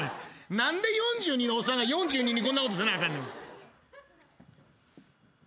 何で４２のおっさんが４２にこんなことせなあかんねん。